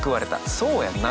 そうやんな。